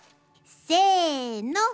せの！